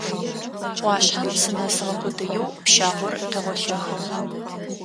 Ӏуашъхьэм сынэсыгъэ къодыеу пщагъор къегъолъэхыгъ.